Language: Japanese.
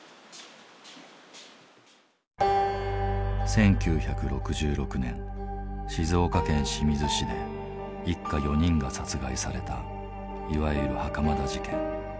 １９６６年静岡県清水市で一家４人が殺害されたいわゆる袴田事件。